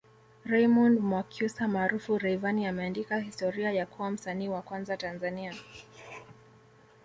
Raymond Mwakyusa maarufu Rayvanny ameandika historia ya kuwa msanii wa kwanza Tanzania